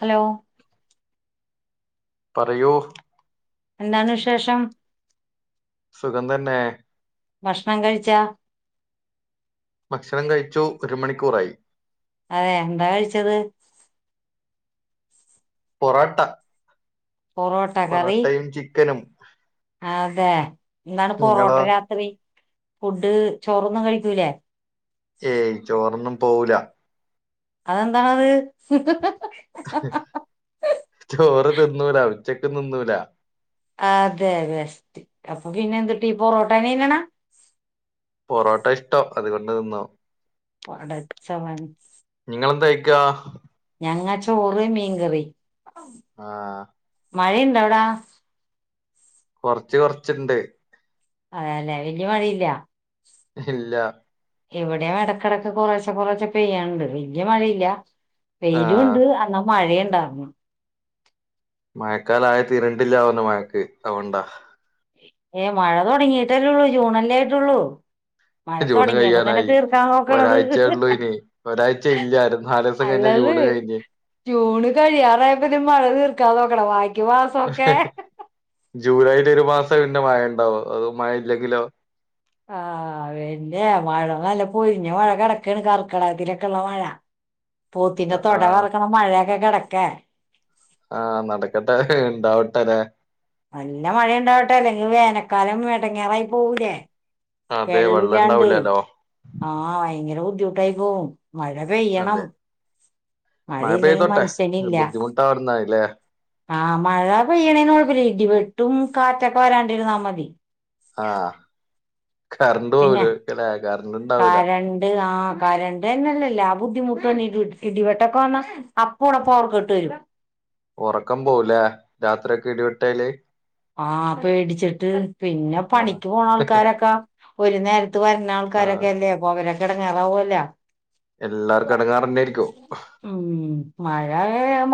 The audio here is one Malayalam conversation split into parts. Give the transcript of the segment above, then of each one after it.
ഹലോ പറയൂ എന്താണുവിശേഷം സുഖം തന്നെ ഭക്ഷണം കഴിച്ചാ ഭക്ഷണം കഴിച്ചു ഒരു മണിക്കൂറായി അതെ എന്താ കഴിച്ചത് പൊറാട്ട പൊറോട്ട കറി പൊറോട്ടയും ചിക്കനും അതെ എന്താണ് നിങ്ങളോ പൊറോട്ട രാത്രി ഫുഡ് ചോറൊന്നും കഴിക്കൂലേ ഏയ് ചോറൊന്നും പോവൂല അതെന്താണത് ചോറ് തിന്നൂല ഉച്ചക്കും തിന്നൂല അതെ ബെസ്റ്റ് അപ്പൊ പിന്നെ എന്തുട്ട് ഈ പൊറോട്ടനെന്നണെ പൊറോട്ട ഇഷ്ടം അതുകൊണ്ട് തിന്നാ വടച്ചവൻ നിങ്ങളെന്തായിക്കാ ഞങ്ങ ച്ചോറ് മീൻകറി ആഹ് മഴയിണ്ടവ്ടാ കൊറ്ച്ച് കൊറ്ച്ചിണ്ട് അതെല്ലെ വല്യ മഴയില്ല ഇല്ല എവിടെം ഇടക്കിടക്ക് കുറേശെ കൊറേശ പെയ്യ്ണ്ട് വല്യ മഴയില്ല ആ വെയിലുണ്ട് അന്നാ മഴയുണ്ടാർന്നു മഴക്കാല ആയത്തി രണ്ടില്ലാവുന്ന മഴക്ക് അതൊണ്ടാ ഏയ് മഴ തുടങ്ങിയിട്ടല്ലേള്ളൂ ജൂണല്ലേ ആയിട്ടൊള്ളൂ ജൂണ് കഴിയാനായി നോക്കണത് ഒരാഴ്ചയ ഉള്ളൂ ഇനി ഒരാഴ്ച ഇല്ലായിര നാല് കഴിഞ്ഞ ജൂണ് കഴിഞ്ഞേ ജൂൺ കഴിയാറായപ്പോ മഴ തീർക്കാൻ നോക്ക്ണ വായി ജൂലൈൽ ഒരു മാസം പിന്നെ മഴ ഉണ്ടാവ അതൊ മഴ ഇല്ലെങ്കിലോ ആഹ് പിന്നെ മഴ നല്ല പൊരിഞ്ഞ മഴ കിടക്കാണ് കർക്കിടകത്തിലൊക്കെള്ള മഴ പോത്തിന്റെ ആ തൊട ആ വറക്ക്ണ മഴയൊക്കെ കിടക്കെ ആഹ് നടക്കട്ടെ ഇണ്ടാവട്ടെല്ലേ നല്ല മഴണ്ടാവട്ടെ അല്ലെങ്കിൽ വേനക്കാലം എടങ്ങേറായി പോവൂലേ അതെ വെള്ളം വെള്ളൂലാണ്ട് ഉണ്ടാവില്ലല്ലോ ആഹ് വയങ്കര ബുദ്ധിമുട്ടായിപോവും മഴ പെയ്യണം അതെ മഴ മഴയില്ലെങ്കി പെയ്തോട്ടെ മൻഷ്യനില്ല ബുദ്ധിമുട്ടാവുന്നല്ലേ ആഹ് മഴ പെയ്യണേന്കൊയപ്പല്ല ഇടിവെട്ടും കാറ്റൊക്കെ വരാണ്ടിരുന്നാ മതി ആഹ് കറണ്ട് പോവൂലരിക്കല്ലേ കറണ്ട് ഇണ്ടാവൂല രണ്ട് ആഹ് കാരണ്ടന്നെല്ലല്ലേ ല്ല ബുദ്ധിമുട്ട്ന്ന ഇടിവെട്ടൊക്കെ വന്ന അപ്പടെ പവർകട്ട് വരും ഒറക്കം പോലേ രാത്രിയൊക്കെ ഇടിവെട്ടിയാല് ആഹ് പേടിച്ചിട്ട് പിന്നെ ആ പണിക്ക് പോണ ആൾക്കാരൊക്കെ ഒരു നേരത്തെ ട്ടത്ത് വരുന്ന ആ ആൾക്കാരൊക്കെ അല്ലേപോ അവരക്കെടങ്ങാറാവുല്ലോ എല്ലാർക്കും എടങ്ങാറന്നൊയിരിക്കും ഉം മഴ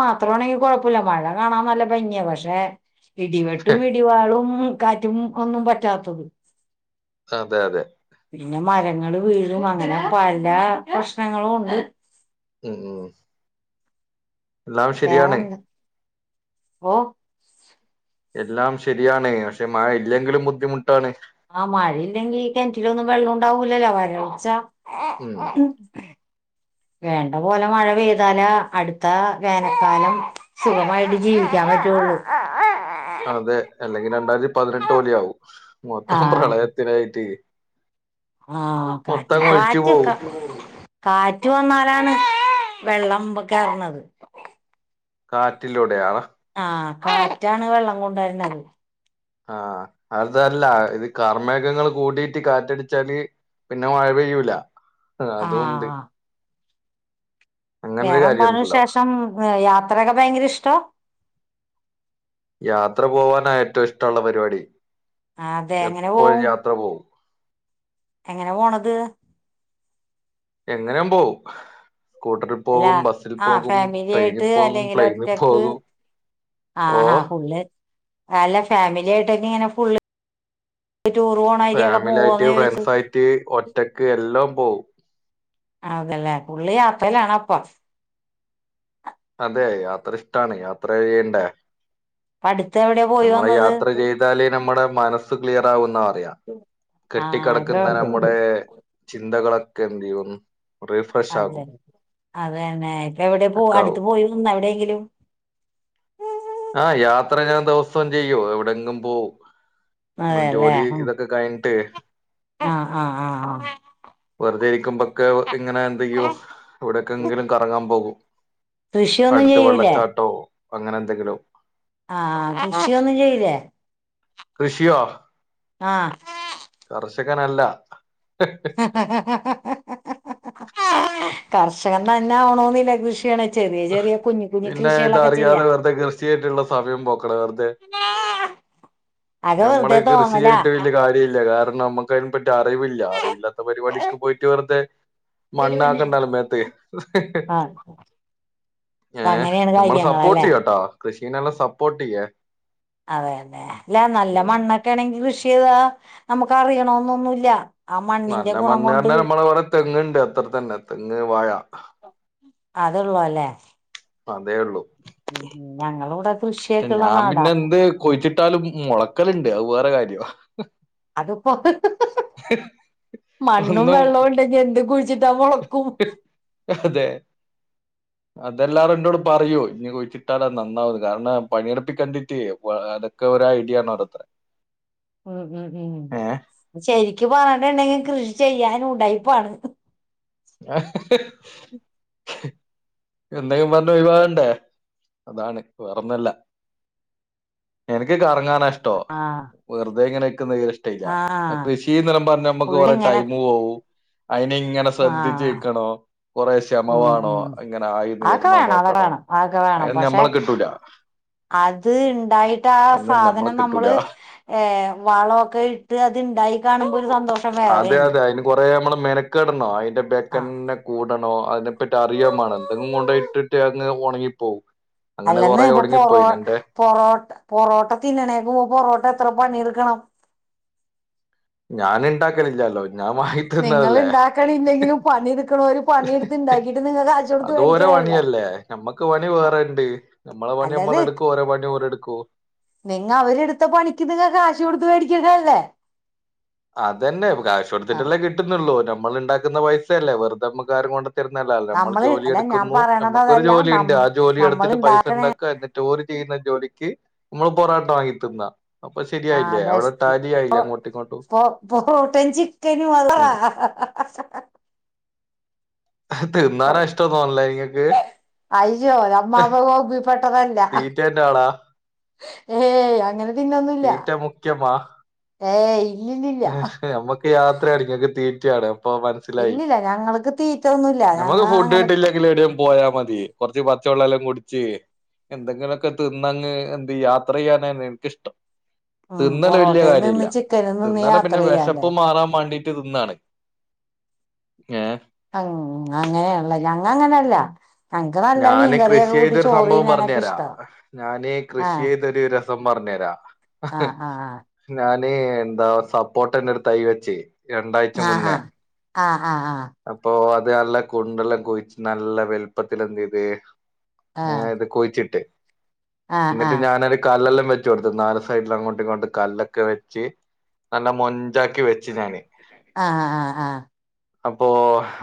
മാത്രാണെങ്കി കൊഴപ്പില്ല മഴ കാണാൻ നല്ല ഭംഗിയാ പക്ഷേ ഇടിവെട്ടും ഇടിവാളും കാറ്റും ഒന്നും പറ്റാത്തത് അതെ അതെ പിന്നെ മരങ്ങള് വീഴും അങ്ങനെ പല പ്രശ്നങ്ങളുണ്ട് ഉം എല്ലാം ശരിയാണ് വേറന്ന ഓ എല്ലാം ശരിയാണ് പക്ഷേ മഴ ഇല്ലെങ്കിലും ബുദ്ധിമുട്ടാണ് ആഹ് മഴയില്ലെങ്കി ഈ കെൻറ്റിലൊന്നും വെള്ളണ്ടാവൂല്ലല്ലോ വരൾച്ച ഉം വേണ്ട പോലെ മഴപെയ്താലാ അട്ത്ത വേനൽക്കാലം സുഖമായിട്ട് ജീവിക്കാൻ പറ്റുള്ളൂ അതെ അല്ലെങ്കി രണ്ടായിരത്തി പതിനെട്ട് പോലെയാവു മൊത്ത ആഹ് പ്രളയത്തിലായിറ്റ് ആഹ് കാറ്റു കാറ്റക്ക കാറ്റ് വന്നാലാണ് വെള്ളം കേറണത് കാറ്റിലൂടെയാ ആഹ് കാറ്റാണ് വെള്ളകൊണ്ടുരണത് ആഹ് അതല്ല ഇത് കാർമേഘങ്ങള് കൂടിയിട്ട് കാറ്റടിച്ചാല് പിന്നെ മയ പെയ്യൂല അതൂണ്ട് ആഹ് വേറെന്താനുശേഷം യാത്രയൊക്കെ ഭയങ്കര ഇഷ്ടോ യാത്ര പോവാനാ ഏറ്റുഷ്ടുള്ള പരിപാടി അതെ എങ്ങനെ എപ്പോയും പോവും യാത്ര പോവും എങ്ങനെ പോണത് എങ്ങനെയുമ്പോവും അല്ല സ്കൂട്ടറിപോകും ബസ്സിൽ ആ പോകും ഫാമിലി ട്രെയിനിൽ ആയിട്ട് പോകും പ്ലെയിനിപോകും ആഹ് ആഹ് ഫുള്ള് അല്ല ഫാമിലിയായിട്ടൊക്കെ ഇങ്ങന ഫുള്ള് റ്റൂറ് പോ- ഫാമിലിയായിറ്റ് ഫ്രണ്ട്സായിറ്റ് ഒറ്റക്ക് എല്ലാം പോവും അതല്ലേ ഫുളള് യാത്രയിലണപ്പം അതെ യാത്ര ഇഷ്ടാണ് യാത്ര ചെയ്യേണ്ടേ അടുത്തെവിടെ പോ നമ്മള് യാത്ര ചെയ്താലേ നമ്മടെ മനസ്സ്ക്ലിറാകുന്നറിയ ആ ഇപ്പൊ കെട്ടിക്കടക്കുന്ന നമ്മടെ ചിന്തകളൊക്കെ എന്ത്യ്യും അതെ അതന്നെ ഇപ്പെ എവിടെ പോ ഒക്കെ അടുത്ത് ആവും പോയിരുന്ന എവിടെങ്കിലും ആഹ് യാത്ര അങ്ങനെ ദെവസൊം ചെയ്യോ എവിടെങ്ങും പോവും നമ്മള് അതെല്ലേ ജോലി ഉം. ഇതൊക്കെ കയിഞ്ഞിട്ടേ ആ ആ ആഹ് വെറുതെരിക്കുമ്പൊക്കെ ഇങ്ങനെ എന്തെങ്കിലും എവിടെക്കെങ്കിലും കറങ്ങാൻ പോകും കൃഷിയൊന്നും അടുത്ത് ചെയ്യൂലേ വെള്ളച്ചാട്ടോ അങ്ങനെ എന്തെങ്കിലോം ആഹ് കൃഷിയൊന്നും ചെയിലേ കൃഷിയോ ആഹ് കർഷകനല്ല ഹ് ഹിഹി ഹ് ഹ ഹ ഹാ ഹാ ഹ് കർഷകൻ തന്നെ ആവണോന്നില്ല കൃഷിയണ ഹ് ഹി പിന്നെ ഇതറിയാതെ വെറുതെ കൃഷിയായിട്ടുള്ള സമയം പോക്കണോ വെറുതെ വ [unintelligible] ഞമ്മള് കൃഷി ചെയ്തിട്ട് വല്യ കാര്യവുല്ല കാരണം നമ്മക്ക് ഇൻക് അയിനെ പറ്റി അറിവില്ല അറിവില്ലാത്ത പരിപാടിക്ക് പോയിട്ട് വെർതെ മണ്ണാക്കണ്ടാല്ലോ മേത്ത് ആഹ് ഏഹ് നമ്മൾ സപ്പോർട്ട് ചെയ്യുട്ടോ കൃഷീനെല്ല സപ്പോർട്ട് ചെയ്യേ അതെയതെ അല്ല നല്ല ഉം. മണ്ണൊക്കെ ആണെങ്കി കൃഷി ചെയ്താ നമുക്ക് അറിയണന്നൊന്നുല്ല നല്ല മണ്ണ് അറ്ഞ്ഞാ നമ്മള് വടെ തെങ്ണ്ട് അത്ര തന്നെ തെങ്ങ് വാഴ അതൊര് വല അതേ ഉള്ളൂ ഉം ഉം ഞങ്ങളിവിടെ കൃഷിയൊക്കെയുള്ള നാടാ കുയ്ച്ചിട്ടാലും മുളക്കല്ണ്ട് അത് വേറെ കാര്യം അതിപ്പോ ഹിഹി ഹിഹി മണ്ണും ഒന്നും വെള്ളവും ഉണ്ടെങ്കി എന്ത് കുഴിച്ചിട്ടാ മുള- ഹ് അതെ [inaudible] അതെല്ലാരും ന്നോട് പറയൂ ഇനി കുഴിച്ചിട്ടാലെ നന്നാവൂന്ന് കാരണം പണിയെടുപ്പിക്കണ്ടിട്ട് അപ്പ ഒക്കെ ഓര ഐഡിയ ആണത്റേ [inaudible] ഉം ഉം ഉം ശെരിക്ക് പറഞ്ഞിട്ടുണ്ടെങ്കിൽ കൃഷി ചെയ്യാന് ഉടായിപ്പാണ് ഏഹ് ഹിഹി എന്തേങ്കിം പറഞ്ഞ് ഒഴിവാകണ്ടേ അതാണ് വേറൊന്നൊല്ല എനക്ക് കറങ്ങാന ഇഷ്ടോ ആ വെറുതെ ഇങ്ങനെ ഇക്കുന്നെ ഇഷ് ട്ടയില്ല ആ കൃഷിന്നറിയുമ്പോ നമ്മക്ക് കുറെ പുള്ളിങ്ങനെ ടൈമ് പോകും അയിനിങ്ങനെ ശ്രദ്ധിച്ച് ആഹ് ഇക്കണോ കൊറേ ക്ഷമ ഉം വേണോം ഉം ഇങ്ങനെ ആയീന്ന് അതൊക്കെ വര്ണോ വേണം അതൊക്കെ നോക്കണോ വേണം അതൊക്കെ വേണം അയ്നൊന്നും പക്ഷെ ഞമ്മളെ കിട്ടൂല അത് ണ്ടായിട്ട് ആ അതിന് നമ്മളെ സാധനം കിട്ടൂല നമ്മള് ഏഹ് വള ഒക്കെ ഇ - ട്ട് അത്ണ്ടായി കാണുമ്പോ ഒരു സന്തോഷം വേറെയാണ് കൊറേ അമ്മള് മെനക്കെടണോ അയിന്റെ ആഹ് ബേക്കെന്നെ കൂടണോ അതിനെപ്പറ്റി അറിയാമാണല്ലോ ന്തെങും കൊണ്ടോയിട്ടിട്ട് അങ്ങ് ഉണങ്ങിപ്പോവും അങ്ങനെ അല്ലെന്ന് കുറെ ഇപ്പൊ പൊറോ ഉണങ്ങിപ്പോയി എന്റെ പൊറോട്ട പൊറോട്ട തിന്നണേന് പൊറോട്ട എത്ര പണിയെടുക്കണം ഞാന് ണ്ടാക്കലില്ലാലൊ ഞാൻ വാങ്ങി - നിങ്ങൾ ഇണ്ടാക്കണില്ലെങ്കിലും പണി എടുക്ക്ണോര് പണിയെടുത്ത്ണ്ടാക്കിട്ട് നിങ്ങൾ കാശ് കൊടുത്ത് മേടിക്ക്ണല്ലേ ഞമ്മക്ക് പണി വേറേണ്ട് നമ്മളെ പണി അല്ലത് നമ്മളെടുക്കും ഓരെ പണി ഓരെടുക്കും നിങ്ങ അവരെടുത്ത പണിക്ക് നിങ്ങ കാശ് കൊടുത്ത് വേടിക്ക്ണല്ലേ അതന്നെ കാശ് കൊടുത്തിട്ടല്ലേ ആഹ് കിട്ടുന്നൊള്ളൂ നമ്മൾ ഉണ്ടാക്കുന്ന പൈസ അല്ലേ വെറുത നമ്മക്കാരും കൊണ്ട് തരുന്നല്ലാലോ നമ്മൾ നമ്മള് ജോലി അല്ല ഞാൻ എടുക്കുന്നു പറയണത് നമ്മക്കൊരു അതല്ല ജോലി നം ഇണ്ട് ആ ജോലി നമ്മൾ എടുത്തിട്ട് ഇണ്ടാക്കണേ പൈസണ്ടാക്കുക എന്നിട്ട് ന്നിട്ട് ഓര് ചെയ്യുന്ന ജോലിക്ക് നമ്മള് പൊറാട്ട വാങ്ങി തിന്ന അപ്പൊ ആ ശരിയായില്ലേ അവിടെ ടാലി ആയില്ലെ അങ്ങോട്ടും ഇങ്ങോട്ടും പൊറോട്ടേം ചിക്കനും ഉം. അല്ലാഹ് തിന്നാന ഇഷ്ടോ തോന്ന്ലെ ഇങ്ങക്ക് അയ്യോ നമ്മാ ആ വകു വകുപ്പിപ്പെട്ടതല്ല എന്റെളാ ഏയ് അങ്ങനെ തിന്നൊന്നുല്ല തീറ്റ ഏയ് ഇല്ലില്ല ഞമ്മക്ക് യാത്രയാണ് ഇങ്ങക്ക് തീറ്റയാണ് അപ്പൊ വല് ഇല്ലില്ല ഞങ്ങൾക്ക് തീറ്റ ഒന്നുല്ല ഞങ്ങ അങ്ങനെ ങ്കിലെവിടെം പോയാ മത്യാ കാെറച്ച് പച്ചവെള്ളം എല്ലാം കുടിച്ച് എന്തെങ്കിലാെക്കെ തിന്നങ്ങ് എന്ത് യാത്രയ്യാന എനിക്കിഷ്ടം ഉം തിന്നല് വലിയ പൊറോട്ടയിൽ നിന്ന് കാര്യല്ല ചിക്കനിൽ നിന്ന് തിന്നാന് യാത്ര പിന്നെ ചെയ്യാല്ലേ വെശപ്പും മാറാൻ മാണ്ടീ ട്ട് തിന്നാണ് [inaudible] ഏഹ് ഉം അങ്ങനെണ്ല്ലേ ഞങ്ങള് അങ്ങനെല്ല ഞാന് കൃഷി ചെയ്തരു സംഭവം തിന്നാനൊക്കെ പറഞ്ഞരാ ഇഷ്ടാ ഞാന് ആ കൃഷി ചെയ് തൊരു രസം പറഞ്ഞരാ ആ ആ ഞാന് എന്താ ഒര് സപ്പോട്ടന്റെ ഒരു തൈ വെച്ച് രണ്ടാഴ്ച ആ ആ ആ മുന്നേ ആ ആ ആ [inaudible] അപ്പൊ അത് നല്ല കുണ്ടെല്ലാം കുഴിച്ച് നല്ല വെൽപ്പത്തില് എന്തെയ്ത് ആഹ് ഏഹ് ഇത് കുഴിച്ചിട്ട് ആഹ് ഇന്ന്ട്ട് ആഹ് ഞാനൊരു കല്ലെല്ലാം വെ ച്ചൊട്ത്തു നാല് സൈഡിൽഅങ്ങോട്ടും ഇങ്ങോട്ട് കല്ലൊക്കെ വെച്ച് നല്ല മൊൻ ഞ്ചാക്കി വെച്ചു ഞാന് ആഹ് ആഹ് ആഹ് [inaudible] അപ്പോ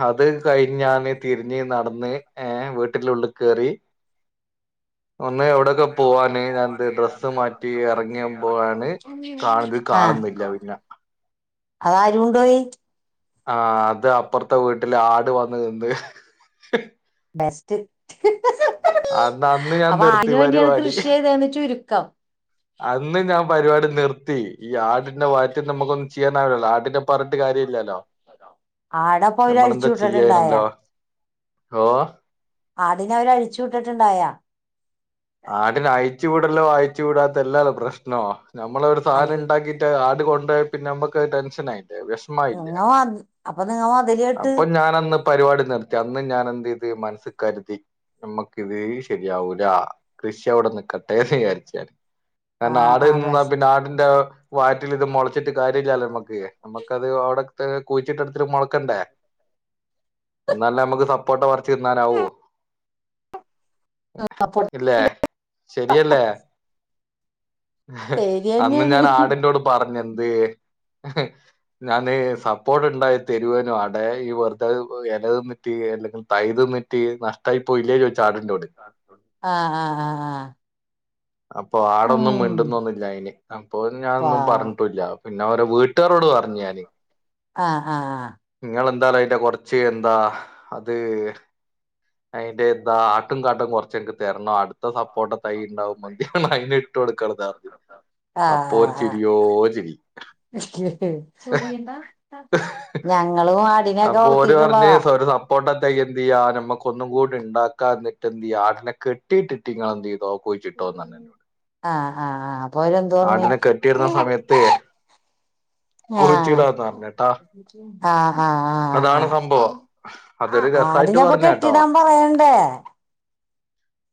അത് കഴിഞ്ഞാന് തിരിഞ്ഞ് നട്ന്ന് ഏഹ് വീട്ടിലുള്ള്ക്കേറി ഒന്ന് എവിടെക്കാെ പോവാന് ഞാൻഎന്റെ ഡ്രസ്സ് മാറ്റി എറങ്ങിയപ്പോഴാണ് കാത് കാണുന്നില്ല പിന്നെ അആരു കൊണ്ടോയി ആഹ് അത് അപ്പൊർത്തെ വീട്ടിലെ ആട് വന്ന് തിന്ന് ബെസ്റ്റ് അന്ന് അന്ന് ഞാൻ അപ്പൊ നിർത്തി ആടിന് വേണ്ടിയാണ് പരിപാടി കൃഷി ചെയ്തന്ന് ചുരുക്കം അന്ന് ഞാൻ പരിപാടി നിർത്തി ഈ ആടിന്റെ വയിറ്റിൽ നമുക്കൊന്നും ചെയ്യാനാവ്‌ലല്ലോ ആടിന്റെ പറട്ട് കാര്യം ഇല്ലാലോ ആടപ്പൊ അവര് അഴിച്ചു നമ്മളെന്താ ചെയ്യാ വിട്ടിട്ടുണ്ടായാ പിന്നന്താ [unintelligible] ആടിനെ അവര് അഴിച്ചു വിട്ട്ട്ടുണ്ടായാ ആടിന അയിച്ചു വിടല്ലോ അയിച്ചു വിടാത്തല്ലല്ലോ പ്രശ്നോ നമ്മള്ഒരു അൽ സാനം ഇണ്ടാക്കി ട്ട് അത്കൊണ്ടയാ പിന്നെ നമ്മക്ക് അഅ് ടെൻഷനായില്ലേ വെഷ് മായില്ലേ നിങ്ങ അപ്പൊ നിങ്ങ മൊതല് [inaudible] കെട്ട് അപ്പൊ ഞാനന്ന് പരിപാടി നിർത്തി അന്ന് ഞാൻ എന്തയ്ത് മനസ്സ്കര്തി നമ്മക്ക് ഇത് ശരിയാവൂലാ കൃഷി അവിടെ നികട്ടേന്ന് വിചാരിച്ചാന് കാരണം ആഹ് ആട് ആഹ് തിന്നാ പിന്നെ ബെസ്റ്റ് ആടിന്റെ വയിറ്റിൽ ഇത് മാെളച്ചിട്ട് കാര്യല്ലാലോ നമ്മക്ക് നമുക്കത് ആടെത്തെ കുഴിച്ചിട്ട് അട്ത്തിട് മാെളക്കണ്ടേ അന്നാലല്ലേ നമുക്ക് സർപ്പോട്ട പറിച്ച് തിന്നാനാവൂ അപ്പൊ ഇല്ലേ ശരിയല്ലേ അഹ് അന്ന് ശരിയന്നെയാണ് ഞാൻ ആടിനോട് പറഞ്ഞന്ത് ഞാന് സർപ്പോർട്ട ഇണ്ടായി തരുവേനു ആടേ ഇയ് വെറുതെരു എല തിന്ന് ട്ട് എന്റെക്ന്ന് തൈത് നട്ട് നഷ്ടയിപ്പോയില്ലേ ചോയ്ച്ച് ആടിനോട് ആഹ് ആഹ് ആഹ് ആഹ് അപ്പൊ ആടൊന്നും ഉം മിണ്ടുന്നൊന്നുല്ല അയ്ന് അപ്പ ഞാനൊന്നും പാവം പറഞ്ഞ്ട്ടുംല്ല പിന്നെ അവരെ വീട്ടാരോട് പറഞ്ഞു ഞാന് ആഹ് ആഹ് ആഹ് നിങ്ങെളെന്താറെ അയ്ന്റെ കൊർച്ച് എന്താ അത് അയ്ന്റെ എന്താ ആട്ടും കാട്ടം കുറച്ചെക്ക് തരണം അടുത്ത സം പ്പോട്ട തൈ ഇണ്ടാവുമ്പോ അയിന് ഇട്ടാെട്ക്കണം ഇതർഞ്ഞ് ആഹ് അപ്പോര് ആഹ് ആഹ് ചിരിയോ ചിരി ഞങ്ങളും ആടിനൊക്കെ വളത്തീട്ടുള്ളതാ പ്പോണ്ടെന്റെ യെന്തിയാ ഞമ്മക്കൊന്നും കൂടി ണ്ടാക്കാ ന്നിട്ട് ഈ ആടിനൊക്കെ ട്ടീട്ടിട്ട് ങ്ങെളെന്തീതോ കുഴിച്ചിട്ടോന്നങ്ങനെ ആ ആആ അപ്പോ ഓല് എന്ത് പറഞ്ഞെ ആടിനെ കെട്ടിയിടുന്ന കുയിച്ചിടാന്ന് പറഞ്ഞ്ട്ടാ ആ ആ സംഭവം ആ, അതൊരു ആ രസായിട്ട് ആടിനപ്പൊ പറഞ്ഞാട്ടോ കെട്ടിടാൻ പറയണ്ടേ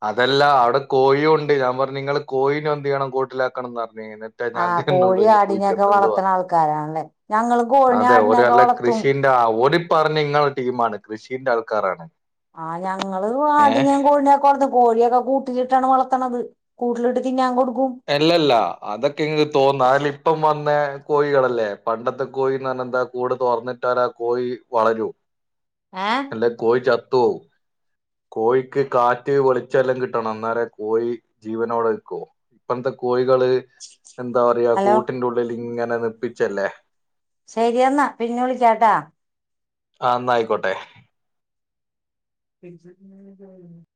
അതല്ലാ അവടെ കോയിയൂണ്ട് ഞാൻ പറഞ്ഞ്, ങ്ങള് കോയിനെ എന്തിയ്യണം കൂട്ടിലാക്കണംന്ന് പറ ഞീന്ന്, ത്തെ ഞാൻ ആഹ് തന്നുള്ളു കോഴി ഇനി ആടിനെയൊക്കെ കുയ്ച്ചിട്ണുള്ളൂ വളർത്തണ അറു ആൾക്കാരാണല്ലേ ഞങ്ങളും കോഴിനെ അതെ ആടിനെയൊക്കെ ഓലല്ല വളർത്തും കൃഷി ദാ ഓലിപ്പറഞ്ഞ് ങ്ങളെ ടീമാണ് കൃഷിന്റെ ആൾക്കാരാണ്. ആ ഞങ്ങള് ഏഹ് ആടിനേം കോഴിനേം കൊട്ന്ന് കോഴിയൊക്കെ കൂട്ടിലിട്ടാണ് വളത്തണത്. കൂട്ടിലിട്ട് തിന്നാൻ കൊടുക്കും. എല്ലല്ലാ അതൊക്കെ ഇങ്ങക്ക് തോന്നാ ലിപ്പം വന്നെ കോഴികളല്ലേ. പണ്ടത്തെ കോഴിന്ന് പറഞ്ഞെന്താ കൂട് തുറന്നിട്ടാല് ആ കോഴി വളരൂ. ഏ. ല്ലേ കോഴി ചത്തോവും. കോഴിക്ക് കാറ്റ് വെളിച്ചെല്ലാം കിട്ടണം. ന്നലെ കോഴി ജീവനോടെ നിക്കോ ഇപ്പൾത്തെ കോഴികള് എന്താ പറയാ, ഹലോ കൂട്ടിന്റുള്ളില് ഇങ്ങനെ നിപ്പിച്ചല്ലേ. ശരി എന്നാ പിന്നെ വിളിക്കാട്ടാ. ആ ന്നാ ആയിക്കോട്ടെ. [unintelligible]